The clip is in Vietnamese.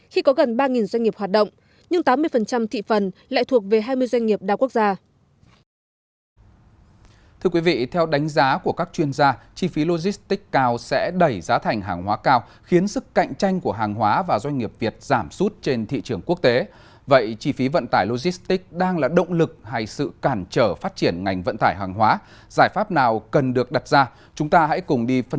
khi có gần ba doanh nghiệp hoạt động nhưng tám mươi thị phần lại thuộc về hai mươi doanh nghiệp đa quốc gia